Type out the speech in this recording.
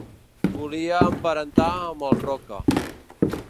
Volia emparentar amb els Roca.